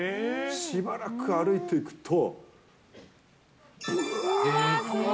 しばらく歩いていくと、ぶわあああ。